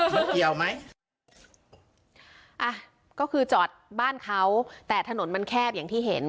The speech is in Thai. มันเกี่ยวไหมอ่ะก็คือจอดบ้านเขาแต่ถนนมันแคบอย่างที่เห็น